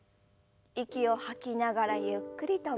息を吐きながらゆっくりと前。